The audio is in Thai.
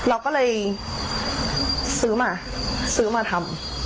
เราก็เลยซื้อมาซื้อมาทำ